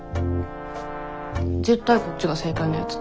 絶対こっちが正解のやつ。